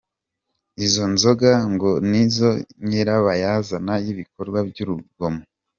Izo nzoga ngo ni zo nyirabayazana y’ibikorwa by’urugomo.